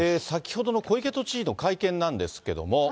先ほどの小池都知事の会見なんですけども。